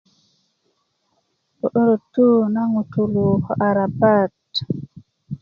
ködö tu na ŋutulu ko arabat